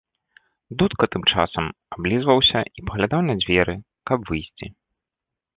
Дудка тым часам аблізваўся і паглядаў на дзверы, каб выйсці.